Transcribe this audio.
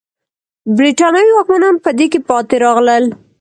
برېټانوي واکمنان په دې کې پاتې راغلل.